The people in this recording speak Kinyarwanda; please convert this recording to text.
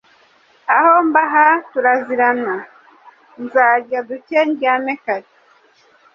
Aho mba aha turazirana, nzarya duke ndyame kare.